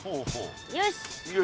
よし。